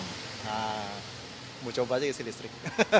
nah mau coba saja listrik